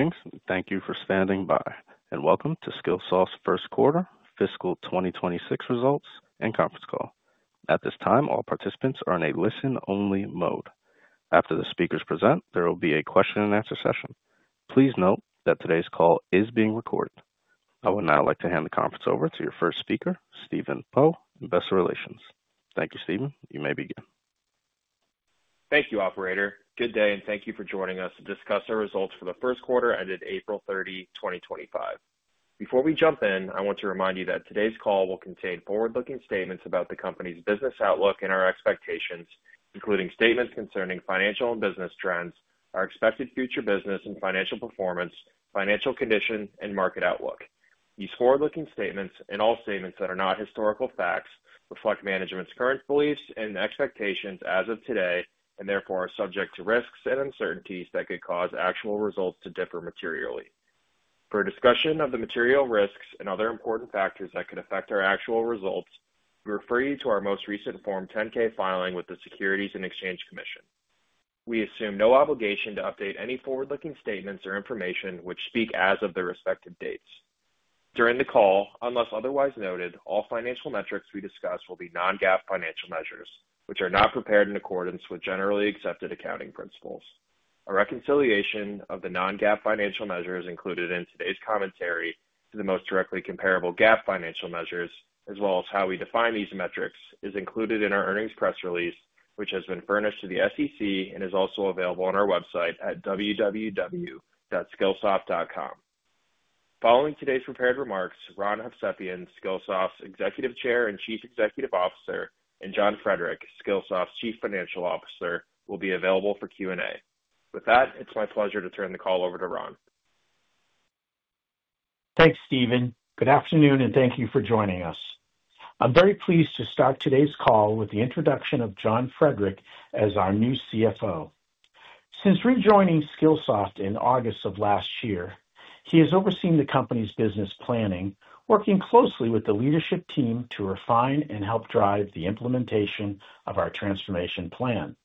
Greetings. Thank you for standing by, and welcome to Skillsoft's first quarter, fiscal 2026 results and conference call. At this time, all participants are in a listen-only mode. After the speakers present, there will be a question-and-answer session. Please note that today's call is being recorded. I would now like to hand the conference over to your first speaker, Stephen Poe, and head of investor relations. Thank you, Stephen. You may begin. Thank you, Operator. Good day, and thank you for joining us to discuss our results for the first quarter ended April 30, 2025. Before we jump in, I want to remind you that today's call will contain forward-looking statements about the company's business outlook and our expectations, including statements concerning financial and business trends, our expected future business and financial performance, financial condition, and market outlook. These forward-looking statements and all statements that are not historical facts reflect management's current beliefs and expectations as of today and therefore are subject to risks and uncertainties that could cause actual results to differ materially. For discussion of the material risks and other important factors that could affect our actual results, we refer you to our most recent Form 10-K filing with the Securities and Exchange Commission. We assume no obligation to update any forward-looking statements or information which speak as of the respective dates. During the call, unless otherwise noted, all financial metrics we discuss will be non-GAAP financial measures, which are not prepared in accordance with generally accepted accounting principles. A reconciliation of the non-GAAP financial measures included in today's commentary to the most directly comparable GAAP financial measures, as well as how we define these metrics, is included in our earnings press release, which has been furnished to the SEC and is also available on our website at www.skillsoft.com. Following today's prepared remarks, Ron Hovsepian, Skillsoft's Executive Chair and Chief Executive Officer, and John Frederick, Skillsoft's Chief Financial Officer, will be available for Q&A. With that, it's my pleasure to turn the call over to Ron. Thanks, Stephen. Good afternoon, and thank you for joining us. I'm very pleased to start today's call with the introduction of John Frederick as our new CFO. Since rejoining Skillsoft in August of last year, he has overseen the company's business planning, working closely with the leadership team to refine and help drive the implementation of our transformation plan.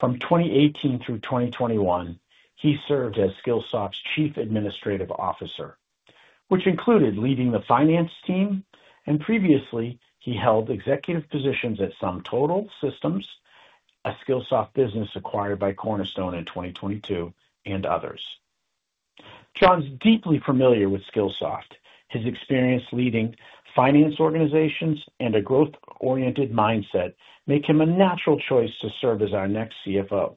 From 2018 through 2021, he served as Skillsoft's Chief Administrative Officer, which included leading the finance team, and previously, he held executive positions at SumTotal Systems, a Skillsoft business acquired by Cornerstone in 2022, and others. John's deeply familiar with Skillsoft. His experience leading finance organizations and a growth-oriented mindset make him a natural choice to serve as our next CFO.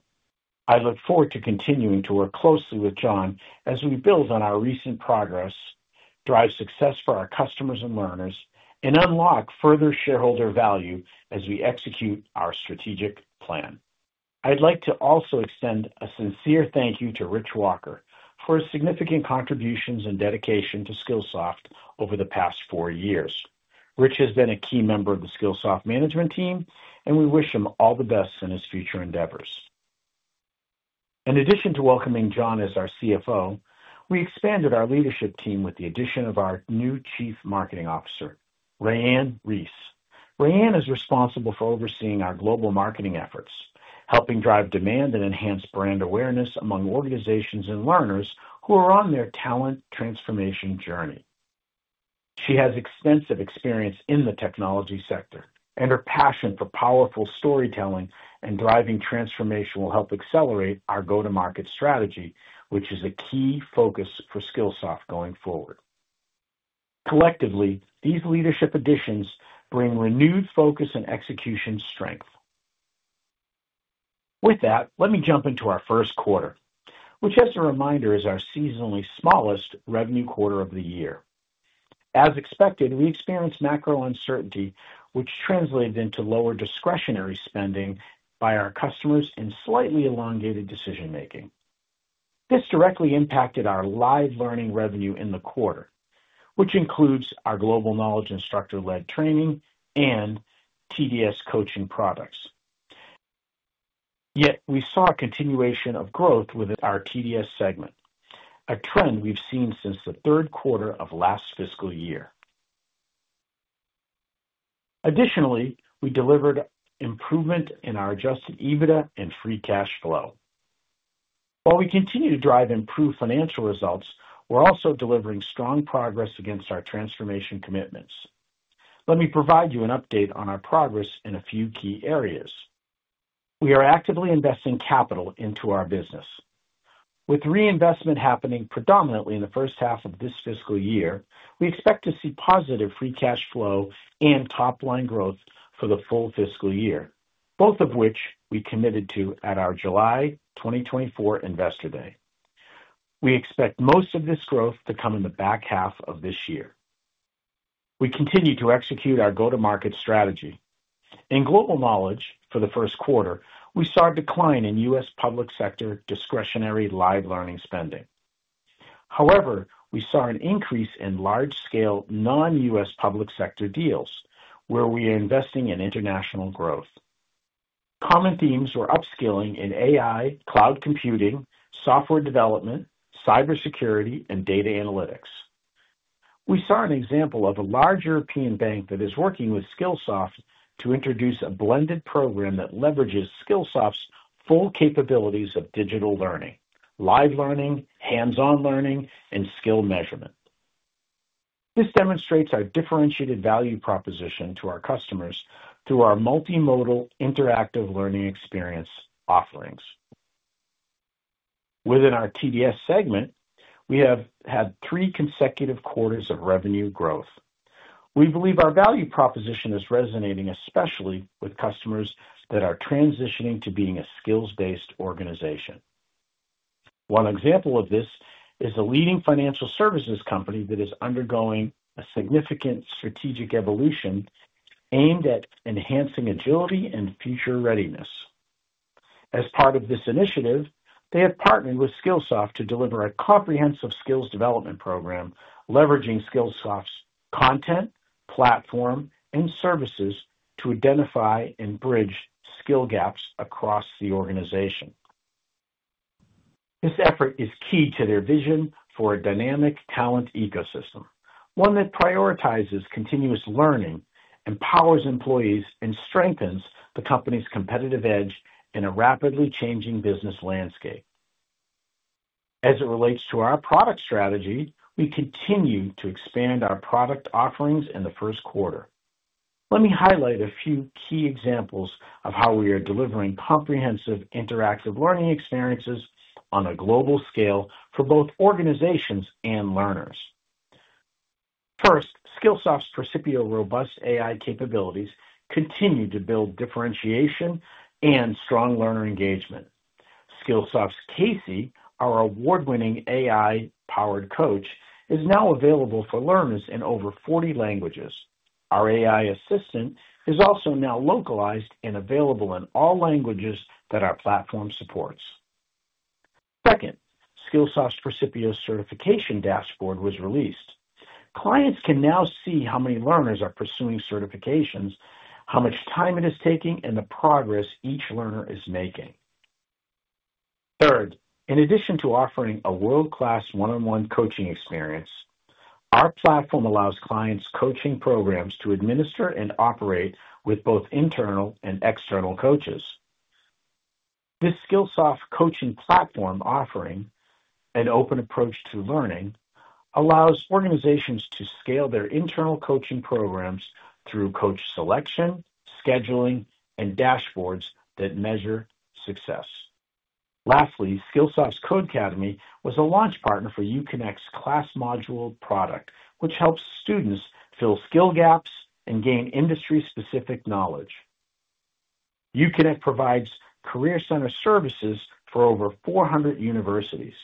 I look forward to continuing to work closely with John as we build on our recent progress, drive success for our customers and learners, and unlock further shareholder value as we execute our strategic plan. I'd like to also extend a sincere thank you to Rich Walker for his significant contributions and dedication to Skillsoft over the past four years. Rich has been a key member of the Skillsoft management team, and we wish him all the best in his future endeavors. In addition to welcoming John as our CFO, we expanded our leadership team with the addition of our new Chief Marketing Officer, Raeann Reese. Raeann is responsible for overseeing our global marketing efforts, helping drive demand and enhance brand awareness among organizations and learners who are on their talent transformation journey. She has extensive experience in the technology sector, and her passion for powerful storytelling and driving transformation will help accelerate our go-to-market strategy, which is a key focus for Skillsoft going forward. Collectively, these leadership additions bring renewed focus and execution strength. With that, let me jump into our first quarter, which, as a reminder, is our seasonally smallest revenue quarter of the year. As expected, we experienced macro uncertainty, which translated into lower discretionary spending by our customers and slightly elongated decision-making. This directly impacted our live learning revenue in the quarter, which includes our Global Knowledge instructor-led training and TDS coaching products. Yet, we saw a continuation of growth with our TDS segment, a trend we've seen since the third quarter of last fiscal year. Additionally, we delivered improvement in our Adjusted EBITDA and free cash flow. While we continue to drive improved financial results, we're also delivering strong progress against our transformation commitments. Let me provide you an update on our progress in a few key areas. We are actively investing capital into our business. With reinvestment happening predominantly in the first half of this fiscal year, we expect to see positive free cash flow and top-line growth for the full fiscal year, both of which we committed to at our July 2024 Investor Day. We expect most of this growth to come in the back half of this year. We continue to execute our go-to-market strategy. In Global Knowledge for the first quarter, we saw a decline in U.S. public sector discretionary live learning spending. However, we saw an increase in large-scale non-U.S. public sector deals where we are investing in international growth. Common themes were upskilling in AI, cloud computing, software development, cybersecurity, and data analytics. We saw an example of a large European bank that is working with Skillsoft to introduce a blended program that leverages Skillsoft's full capabilities of digital learning, live learning, hands-on learning, and skill measurement. This demonstrates our differentiated value proposition to our customers through our multimodal interactive learning experience offerings. Within our TDS segment, we have had three consecutive quarters of revenue growth. We believe our value proposition is resonating especially with customers that are transitioning to being a skills-based organization. One example of this is a leading financial services company that is undergoing a significant strategic evolution aimed at enhancing agility and future readiness. As part of this initiative, they have partnered with Skillsoft to deliver a comprehensive skills development program leveraging Skillsoft's content, platform, and services to identify and bridge skill gaps across the organization. This effort is key to their vision for a dynamic talent ecosystem, one that prioritizes continuous learning, empowers employees, and strengthens the company's competitive edge in a rapidly changing business landscape. As it relates to our product strategy, we continue to expand our product offerings in the first quarter. Let me highlight a few key examples of how we are delivering comprehensive interactive learning experiences on a global scale for both organizations and learners. First, Skillsoft's Percipio robust AI capabilities continue to build differentiation and strong learner engagement. Skillsoft's Casey, our award-winning AI-powered coach, is now available for learners in over 40 languages. Our AI assistant is also now localized and available in all languages that our platform supports. Second, Skillsoft's Percipio certification dashboard was released. Clients can now see how many learners are pursuing certifications, how much time it is taking, and the progress each learner is making. Third, in addition to offering a world-class one-on-one coaching experience, our platform allows clients' coaching programs to administer and operate with both internal and external coaches. This Skillsoft coaching platform offering an open approach to learning allows organizations to scale their internal coaching programs through coach selection, scheduling, and dashboards that measure success. Lastly, Skillsoft's Codecademy was a launch partner for UConnect's class module product, which helps students fill skill gaps and gain industry-specific knowledge. UConnect provides career center services for over 400 universities.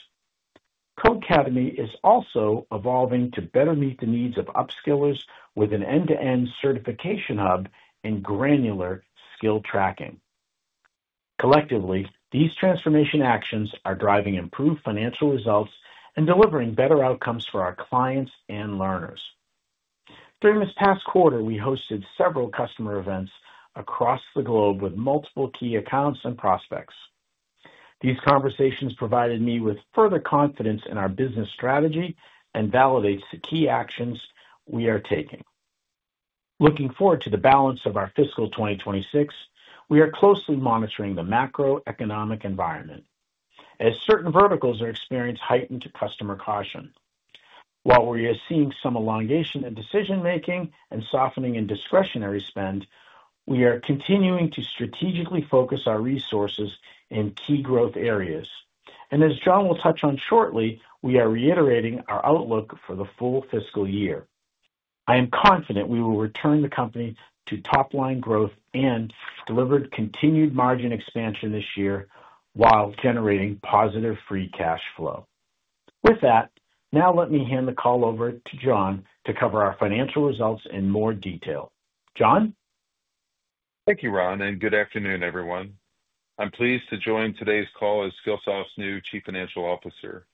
Codecademy is also evolving to better meet the needs of upskillers with an end-to-end certification hub and granular skill tracking. Collectively, these transformation actions are driving improved financial results and delivering better outcomes for our clients and learners. During this past quarter, we hosted several customer events across the globe with multiple key accounts and prospects. These conversations provided me with further confidence in our business strategy and validate the key actions we are taking. Looking forward to the balance of our fiscal 2026, we are closely monitoring the macroeconomic environment as certain verticals are experiencing heightened customer caution. While we are seeing some elongation in decision-making and softening in discretionary spend, we are continuing to strategically focus our resources in key growth areas. As John will touch on shortly, we are reiterating our outlook for the full fiscal year. I am confident we will return the company to top-line growth and deliver continued margin expansion this year while generating positive free cash flow. With that, now let me hand the call over to John to cover our financial results in more detail. John? Thank you, Ron, and good afternoon, everyone. I'm pleased to join today's call as Skillsoft's new Chief Financial Officer.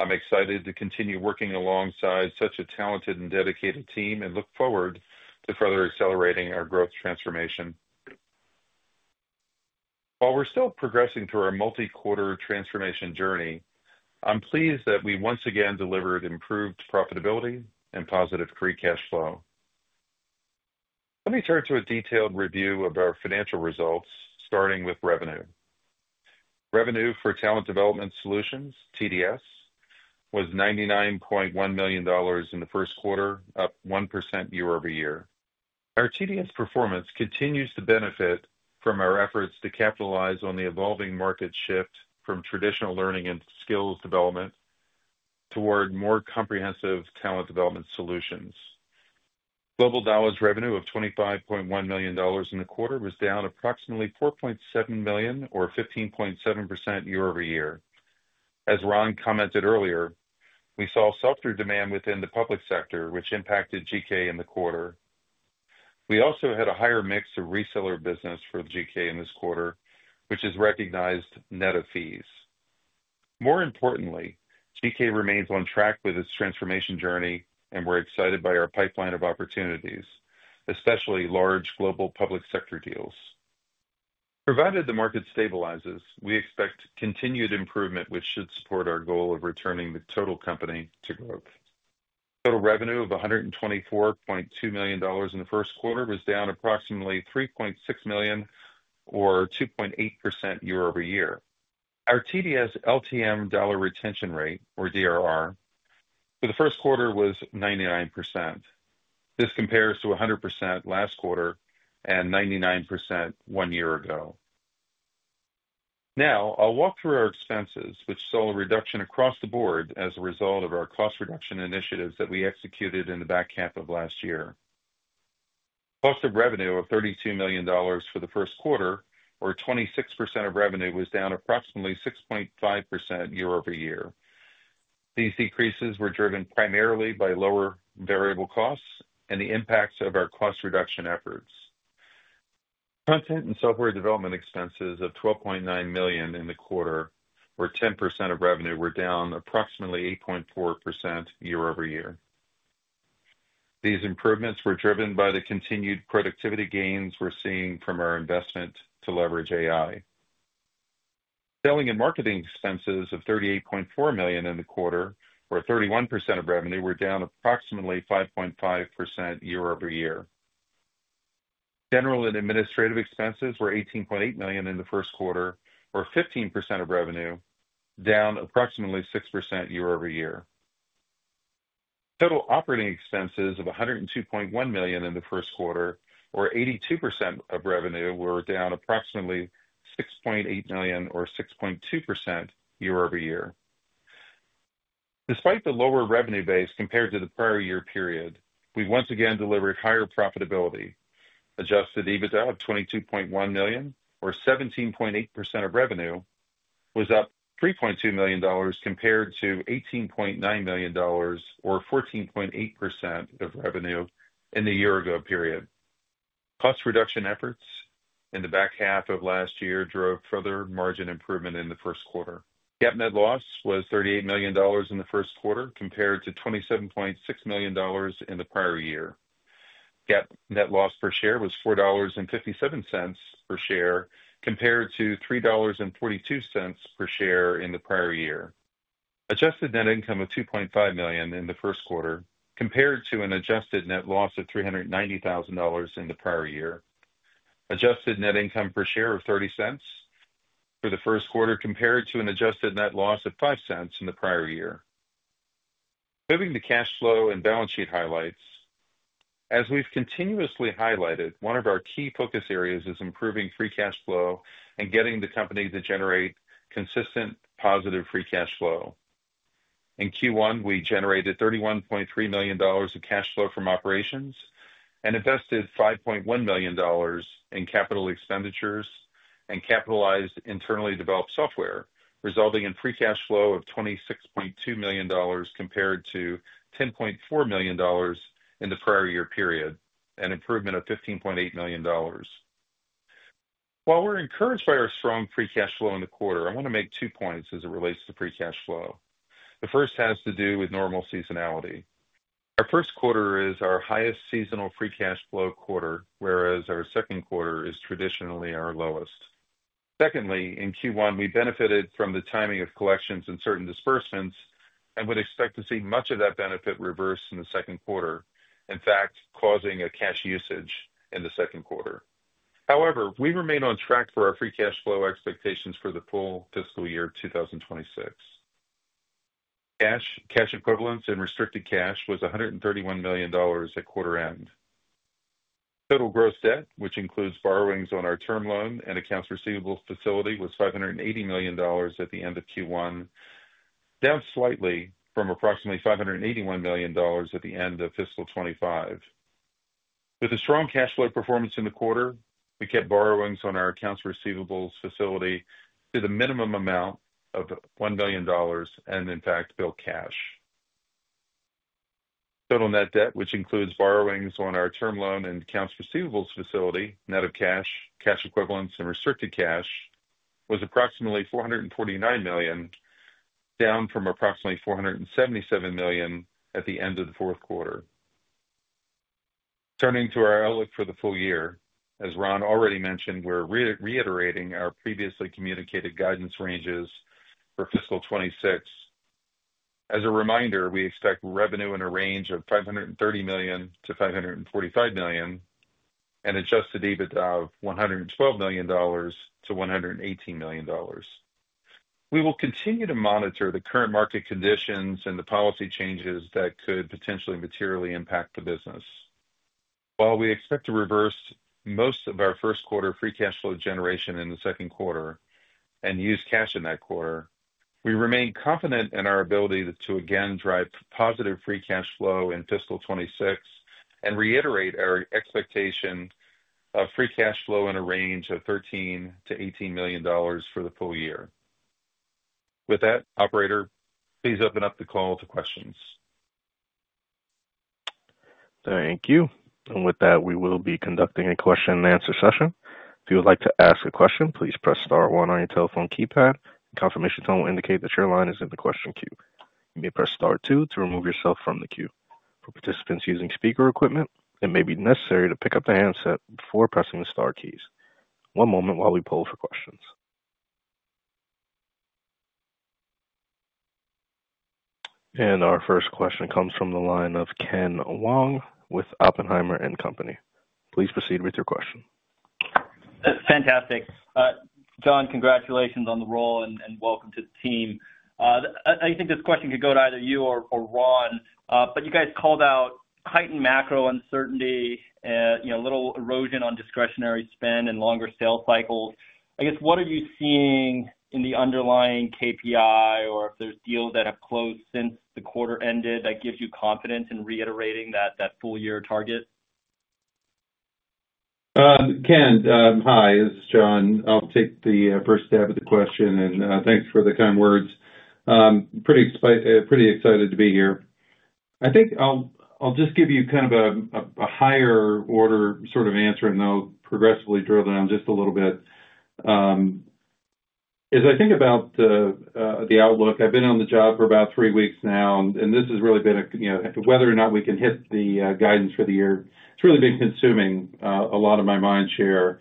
I'm excited to continue working alongside such a talented and dedicated team and look forward to further accelerating our growth transformation. While we're still progressing through our multi-quarter transformation journey, I'm pleased that we once again delivered improved profitability and positive free cash flow. Let me turn to a detailed review of our financial results, starting with revenue. Revenue for Talent Development Solutions, TDS, was $99.1 million in the first quarter, up 1% year over year. Our TDS performance continues to benefit from our efforts to capitalize on the evolving market shift from traditional learning and skills development toward more comprehensive talent development solutions. Global Knowledge's revenue of $25.1 million in the quarter was down approximately $4.7 million, or 15.7% year over year. As Ron commented earlier, we saw softer demand within the public sector, which impacted GK in the quarter. We also had a higher mix of reseller business for GK in this quarter, which is recognized net of fees. More importantly, GK remains on track with its transformation journey, and we're excited by our pipeline of opportunities, especially large global public sector deals. Provided the market stabilizes, we expect continued improvement, which should support our goal of returning the total company to growth. Total revenue of $124.2 million in the first quarter was down approximately $3.6 million, or 2.8% year over year. Our TDS LTM dollar retention rate, or DRR, for the first quarter was 99%. This compares to 100% last quarter and 99% one year ago. Now, I'll walk through our expenses, which saw a reduction across the board as a result of our cost reduction initiatives that we executed in the back half of last year. Cost of revenue of $32 million for the first quarter, or 26% of revenue, was down approximately 6.5% year over year. These decreases were driven primarily by lower variable costs and the impacts of our cost reduction efforts. Content and software development expenses of $12.9 million in the quarter, or 10% of revenue, were down approximately 8.4% year over year. These improvements were driven by the continued productivity gains we're seeing from our investment to leverage AI. Selling and marketing expenses of $38.4 million in the quarter, or 31% of revenue, were down approximately 5.5% year over year. General and administrative expenses were $18.8 million in the first quarter, or 15% of revenue, down approximately 6% year over year. Total operating expenses of $102.1 million in the first quarter, or 82% of revenue, were down approximately $6.8 million, or 6.2% year over year. Despite the lower revenue base compared to the prior year period, we once again delivered higher profitability. Adjusted EBITDA of $22.1 million, or 17.8% of revenue, was up $3.2 million compared to $18.9 million, or 14.8% of revenue in the year-ago period. Cost reduction efforts in the back half of last year drove further margin improvement in the first quarter. GAAP net loss was $38 million in the first quarter compared to $27.6 million in the prior year. GAAP net loss per share was $4.57 per share compared to $3.42 per share in the prior year. Adjusted net income of $2.5 million in the first quarter compared to an adjusted net loss of $390,000 in the prior year. Adjusted net income per share of $0.30 for the first quarter compared to an adjusted net loss of $0.05 in the prior year. Moving to cash flow and balance sheet highlights. As we've continuously highlighted, one of our key focus areas is improving free cash flow and getting the company to generate consistent positive free cash flow. In Q1, we generated $31.3 million in cash flow from operations and invested $5.1 million in capital expenditures and capitalized internally developed software, resulting in free cash flow of $26.2 million compared to $10.4 million in the prior year period and improvement of $15.8 million. While we're encouraged by our strong free cash flow in the quarter, I want to make two points as it relates to free cash flow. The first has to do with normal seasonality. Our first quarter is our highest seasonal free cash flow quarter, whereas our second quarter is traditionally our lowest. Secondly, in Q1, we benefited from the timing of collections and certain disbursements and would expect to see much of that benefit reversed in the second quarter, in fact, causing a cash usage in the second quarter. However, we remain on track for our free cash flow expectations for the full fiscal year 2026. Cash, cash equivalents, and restricted cash was $131 million at quarter end. Total gross debt, which includes borrowings on our term loan and accounts receivable facility, was $580 million at the end of Q1, down slightly from approximately $581 million at the end of fiscal 2025. With a strong cash flow performance in the quarter, we kept borrowings on our accounts receivable facility to the minimum amount of $1 million and, in fact, built cash. Total net debt, which includes borrowings on our term loan and accounts receivables facility, net of cash, cash equivalents, and restricted cash, was approximately $449 million, down from approximately $477 million at the end of the fourth quarter. Turning to our outlook for the full year, as Ron already mentioned, we're reiterating our previously communicated guidance ranges for fiscal 2026. As a reminder, we expect revenue in a range of $530 million-$545 million and Adjusted EBITDA of $112 million-$118 million. We will continue to monitor the current market conditions and the policy changes that could potentially materially impact the business. While we expect to reverse most of our first quarter free cash flow generation in the second quarter and use cash in that quarter, we remain confident in our ability to again drive positive free cash flow in fiscal 2026 and reiterate our expectation of free cash flow in a range of $13-$18 million for the full year. With that, Operator, please open up the call to questions. Thank you. With that, we will be conducting a question-and-answer session. If you would like to ask a question, please press Star 1 on your telephone keypad. A confirmation tone will indicate that your line is in the question queue. You may press Star 2 to remove yourself from the queue. For participants using speaker equipment, it may be necessary to pick up the handset before pressing the Star keys. One moment while we pull for questions. Our first question comes from the line of Ken Wong with Oppenheimer and Company. Please proceed with your question. Fantastic. John, congratulations on the role and welcome to the team. I think this question could go to either you or Ron, but you guys called out heightened macro uncertainty, a little erosion on discretionary spend, and longer sales cycles. I guess, what are you seeing in the underlying KPI, or if there's deals that have closed since the quarter ended that gives you confidence in reiterating that full-year target? Ken, hi. This is John. I'll take the first stab at the question, and thanks for the kind words. Pretty excited to be here. I think I'll just give you kind of a higher-order sort of answer, and then I'll progressively drill down just a little bit. As I think about the outlook, I've been on the job for about three weeks now, and this has really been a whether or not we can hit the guidance for the year. It's really been consuming a lot of my mind here.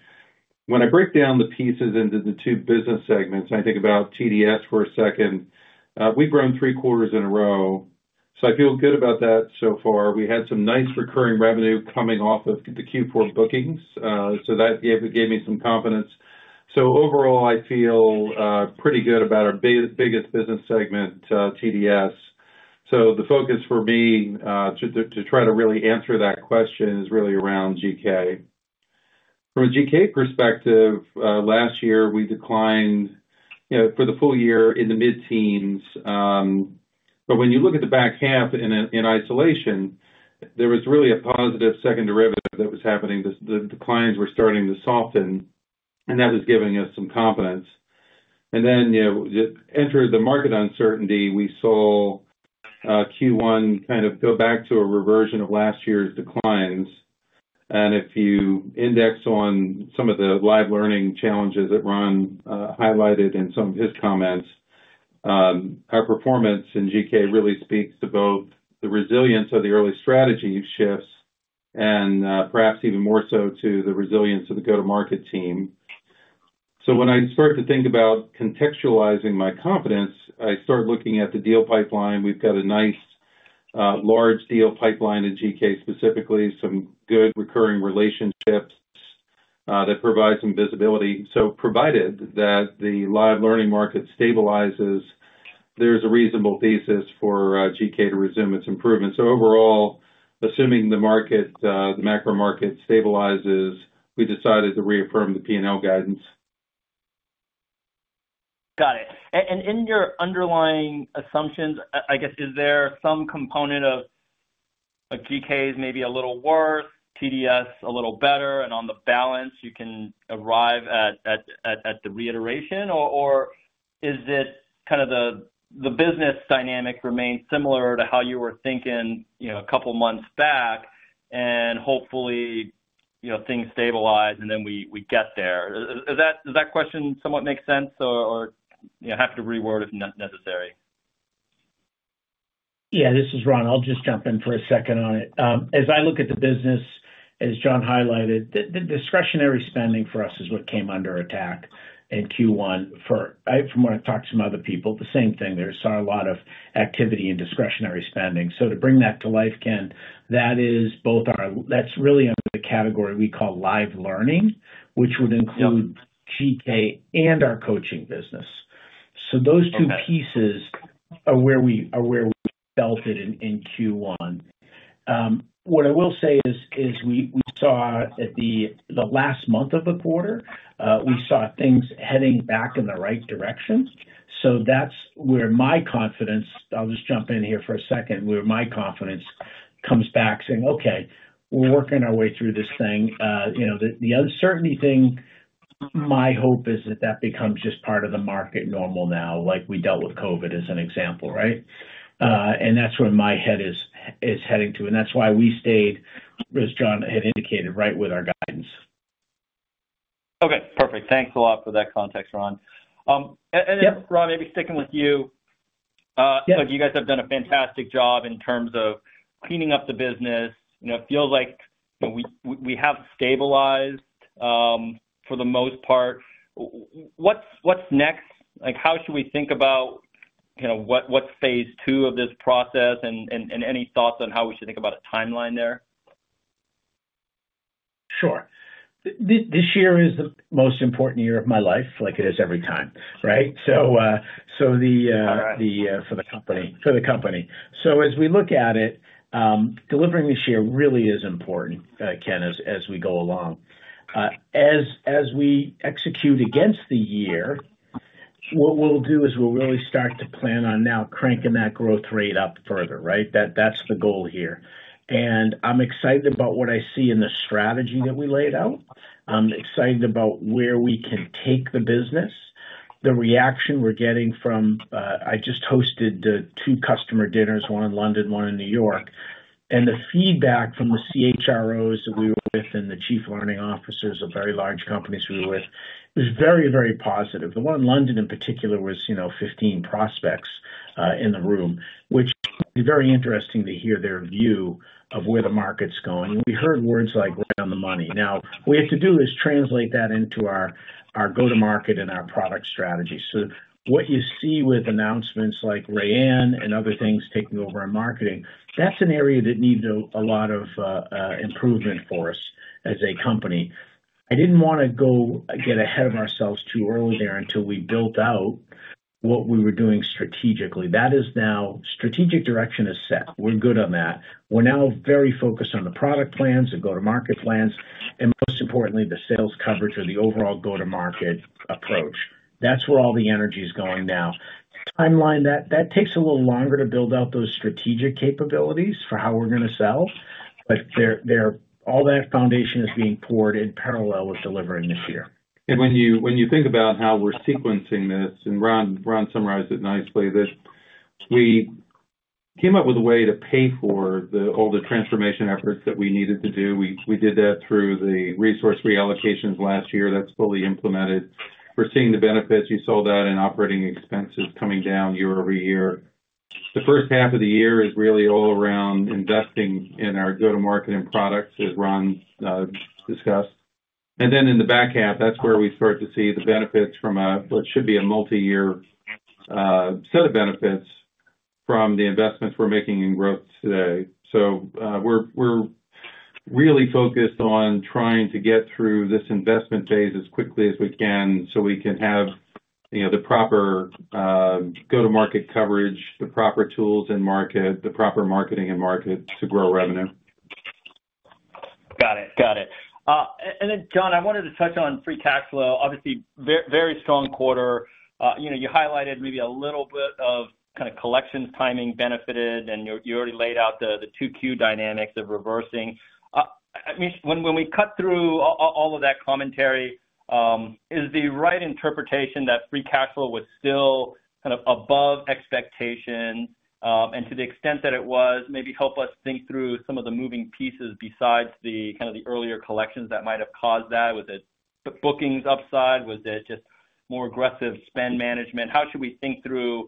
When I break down the pieces into the two business segments, I think about TDS for a second. We've grown three quarters in a row, so I feel good about that so far. We had some nice recurring revenue coming off of the Q4 bookings, so that gave me some confidence. Overall, I feel pretty good about our biggest business segment, TDS. The focus for me to try to really answer that question is really around GK. From a GK perspective, last year, we declined for the full year in the mid-teens. When you look at the back half in isolation, there was really a positive second derivative that was happening. The declines were starting to soften, and that was giving us some confidence. Then entered the market uncertainty. We saw Q1 kind of go back to a reversion of last year's declines. If you index on some of the live learning challenges that Ron highlighted in some of his comments, our performance in GK really speaks to both the resilience of the early strategy shifts and perhaps even more so to the resilience of the go-to-market team. When I start to think about contextualizing my confidence, I start looking at the deal pipeline. We've got a nice large deal pipeline in GK specifically, some good recurring relationships that provide some visibility. Provided that the live learning market stabilizes, there's a reasonable thesis for GK to resume its improvement. Overall, assuming the macro market stabilizes, we decided to reaffirm the P&L guidance. Got it. In your underlying assumptions, I guess, is there some component of GK is maybe a little worse, TDS a little better, and on the balance, you can arrive at the reiteration, or is it kind of the business dynamic remains similar to how you were thinking a couple of months back, and hopefully things stabilize and then we get there? Does that question somewhat make sense, or have to reword if necessary? Yeah, this is Ron. I'll just jump in for a second on it. As I look at the business, as John highlighted, the discretionary spending for us is what came under attack in Q1 from what I've talked to some other people. The same thing. There's a lot of activity in discretionary spending. To bring that to life, Ken, that's really under the category we call live learning, which would include GK and our coaching business. Those two pieces are where we felt it in Q1. What I will say is we saw at the last month of the quarter, we saw things heading back in the right direction. That is where my confidence—I'll just jump in here for a second—where my confidence comes back saying, "Okay, we're working our way through this thing." The uncertainty thing, my hope is that that becomes just part of the market normal now, like we dealt with COVID as an example, right? That is where my head is heading to. That is why we stayed, as John had indicated, right with our guidance. Okay. Perfect. Thanks a lot for that context, Ron. Ron, maybe sticking with you. You guys have done a fantastic job in terms of cleaning up the business. It feels like we have stabilized for the most part. What's next? How should we think about what's phase two of this process and any thoughts on how we should think about a timeline there? Sure. This year is the most important year of my life, like it is every time, right? For the company. As we look at it, delivering this year really is important, Ken, as we go along. As we execute against the year, what we'll do is we'll really start to plan on now cranking that growth rate up further, right? That's the goal here. I'm excited about what I see in the strategy that we laid out. I'm excited about where we can take the business, the reaction we're getting from—I just hosted two customer dinners, one in London, one in New York. The feedback from the CHROs that we were with and the chief learning officers of very large companies we were with was very, very positive. The one in London in particular was 15 prospects in the room, which is very interesting to hear their view of where the market's going. We heard words like "right on the money." Now, what we have to do is translate that into our go-to-market and our product strategy. What you see with announcements like Raeann and other things taking over our marketing, that's an area that needs a lot of improvement for us as a company. I did not want to get ahead of ourselves too early there until we built out what we were doing strategically. That is now, strategic direction is set. We're good on that. We're now very focused on the product plans and go-to-market plans, and most importantly, the sales coverage or the overall go-to-market approach. That's where all the energy is going now. Timeline, that takes a little longer to build out those strategic capabilities for how we're going to sell, but all that foundation is being poured in parallel with delivering this year. When you think about how we're sequencing this, and Ron summarized it nicely, that we came up with a way to pay for all the transformation efforts that we needed to do. We did that through the resource reallocations last year. That's fully implemented. We're seeing the benefits. You saw that in operating expenses coming down year over year. The first half of the year is really all around investing in our go-to-market and products, as Ron discussed. In the back half, that's where we start to see the benefits from what should be a multi-year set of benefits from the investments we're making in growth today. We're really focused on trying to get through this investment phase as quickly as we can so we can have the proper go-to-market coverage, the proper tools in market, the proper marketing in market to grow revenue. Got it. Got it. John, I wanted to touch on free cash flow. Obviously, very strong quarter. You highlighted maybe a little bit of kind of collections timing benefited, and you already laid out the 2Q dynamics of reversing. When we cut through all of that commentary, is the right interpretation that free cash flow was still kind of above expectations? To the extent that it was, maybe help us think through some of the moving pieces besides the kind of the earlier collections that might have caused that. Was it bookings upside? Was it just more aggressive spend management? How should we think through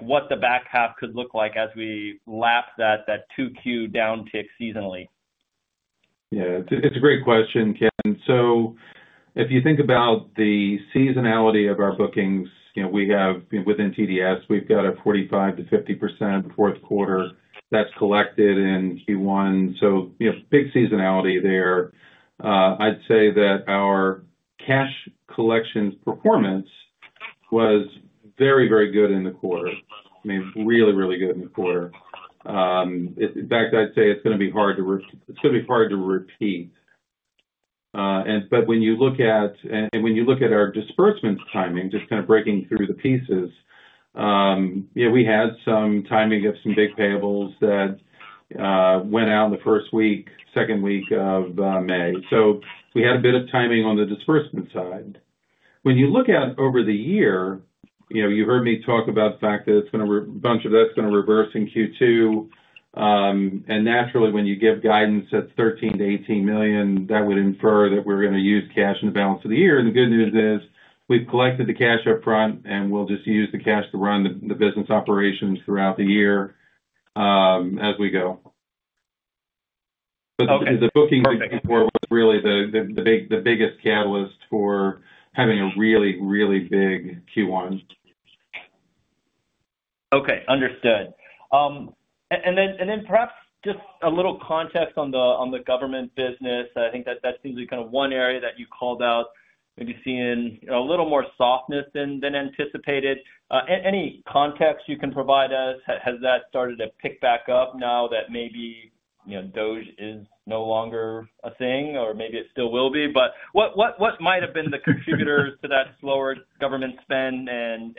what the back half could look like as we lap that 2Q downtick seasonally? Yeah. It's a great question, Ken. If you think about the seasonality of our bookings, within TDS, we've got a 45%-50% fourth quarter that's collected in Q1. Big seasonality there. I'd say that our cash collection performance was very, very good in the quarter. I mean, really, really good in the quarter. In fact, I'd say it's going to be hard to—it's going to be hard to repeat. When you look at our disbursement timing, just kind of breaking through the pieces, we had some timing of some big payables that went out in the first week, second week of May. We had a bit of timing on the disbursement side. When you look at over the year, you heard me talk about the fact that a bunch of that's going to reverse in Q2. Naturally, when you give guidance at $13 million-$18 million, that would infer that we're going to use cash in the balance of the year. The good news is we've collected the cash upfront, and we'll just use the cash to run the business operations throughout the year as we go. The booking before was really the biggest catalyst for having a really, really big Q1. Okay. Understood. Perhaps just a little context on the government business. I think that seems to be kind of one area that you called out. Maybe seeing a little more softness than anticipated. Any context you can provide us? Has that started to pick back up now that maybe DOGE is no longer a thing, or maybe it still will be? What might have been the contributors to that slower government spend and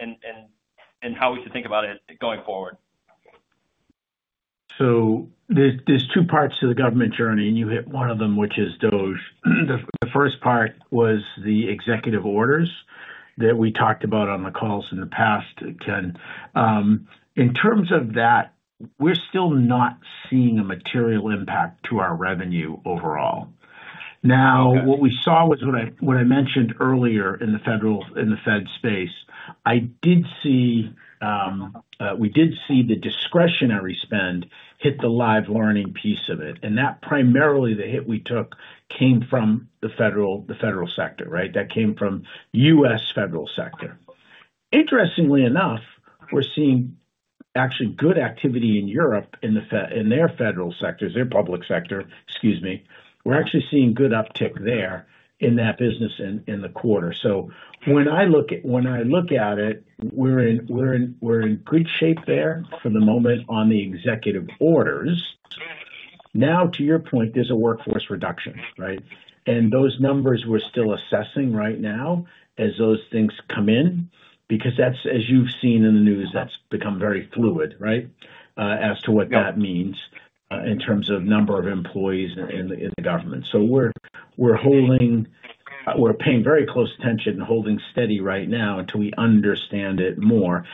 how we should think about it going forward? There are two parts to the government journey, and you hit one of them, which is DOGE. The first part was the executive orders that we talked about on the calls in the past, Ken. In terms of that, we're still not seeing a material impact to our revenue overall. What we saw was what I mentioned earlier in the Fed space. I did see—we did see the discretionary spend hit the live learning piece of it. That primarily, the hit we took came from the federal sector, right? That came from the U.S. federal sector. Interestingly enough, we're seeing actually good activity in Europe in their federal sectors, their public sector, excuse me. We're actually seeing good uptick there in that business in the quarter. When I look at it, we're in good shape there for the moment on the executive orders. Now, to your point, there's a workforce reduction, right? And those numbers we're still assessing right now as those things come in because, as you've seen in the news, that's become very fluid, right, as to what that means in terms of number of employees in the government. We are paying very close attention and holding steady right now until we understand it more.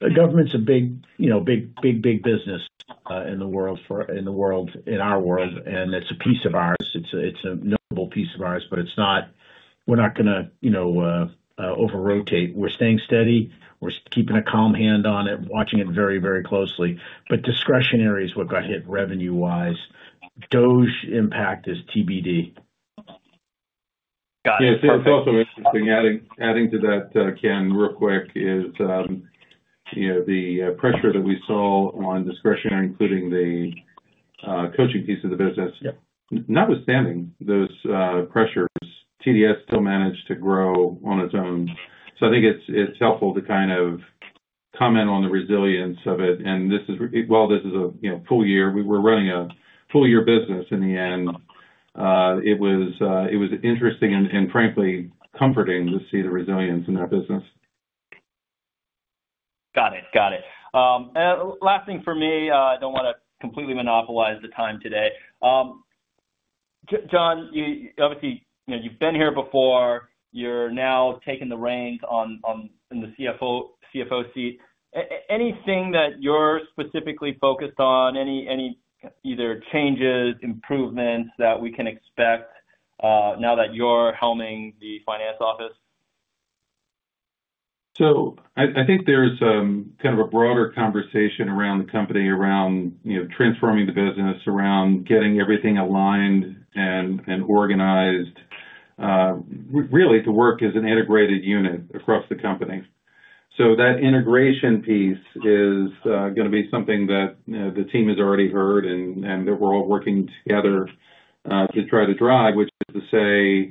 The government's a big, big, big business in the world, in our world, and it's a piece of ours. It's a notable piece of ours, but we're not going to over-rotate. We are staying steady. We are keeping a calm hand on it, watching it very, very closely. Discretionary is what got hit revenue-wise. DOGE impact is TBD. Got it. Yeah. It's also interesting. Adding to that, Ken, real quick, is the pressure that we saw on discretionary, including the coaching piece of the business. Notwithstanding those pressures, TDS still managed to grow on its own. I think it's helpful to kind of comment on the resilience of it. While this is a full year, we were running a full-year business in the end. It was interesting and, frankly, comforting to see the resilience in that business. Got it. Got it. Last thing for me. I do not want to completely monopolize the time today. John, obviously, you have been here before. You are now taking the reins in the CFO seat. Anything that you are specifically focused on? Any either changes, improvements that we can expect now that you are helming the finance office? I think there's kind of a broader conversation around the company, around transforming the business, around getting everything aligned and organized. Really, to work as an integrated unit across the company. That integration piece is going to be something that the team has already heard and that we're all working together to try to drive, which is to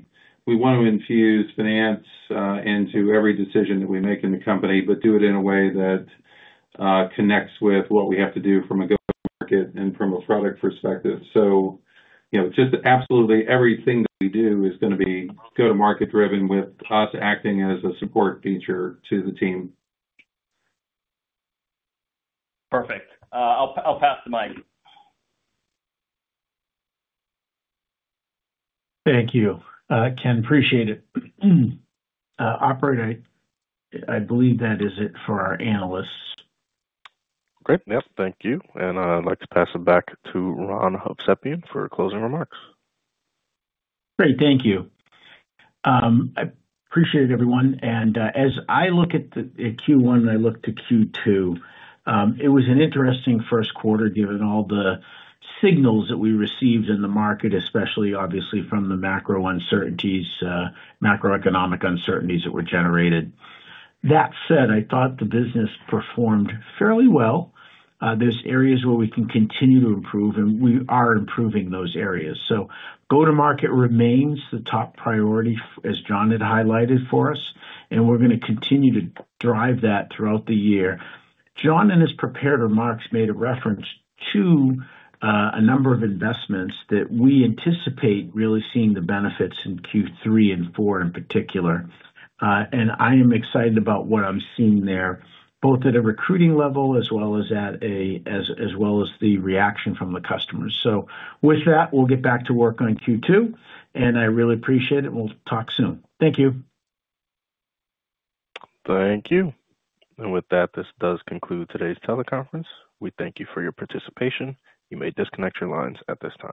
say we want to infuse finance into every decision that we make in the company, but do it in a way that connects with what we have to do from a go-to-market and from a product perspective. Just absolutely everything that we do is going to be go-to-market driven with us acting as a support feature to the team. Perfect. I'll pass the mic. Thank you, Ken. Appreciate it. Operator, I believe that is it for our analysts. Great. Yep. Thank you. I'd like to pass it back to Ron Hovsepian for closing remarks. Great. Thank you. I appreciate it, everyone. As I look at Q1 and I look to Q2, it was an interesting first quarter given all the signals that we received in the market, especially, obviously, from the macro uncertainties, macroeconomic uncertainties that were generated. That said, I thought the business performed fairly well. There are areas where we can continue to improve, and we are improving those areas. Go-to-market remains the top priority, as John had highlighted for us, and we are going to continue to drive that throughout the year. John, in his prepared remarks, made a reference to a number of investments that we anticipate really seeing the benefits in Q3 and Q4 in particular. I am excited about what I am seeing there, both at a recruiting level as well as the reaction from the customers. With that, we'll get back to work on Q2, and I really appreciate it, and we'll talk soon. Thank you. Thank you. With that, this does conclude today's teleconference. We thank you for your participation. You may disconnect your lines at this time.